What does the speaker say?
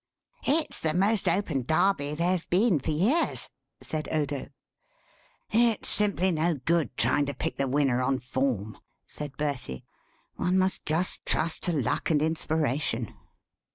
"It's the most open Derby there's been for years," said Odo. "It's simply no good trying to pick the winner on form," said Bertie; "one must just trust to luck and inspiration."